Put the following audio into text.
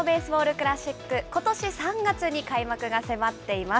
クラシック、ことし３月に開幕が迫っています。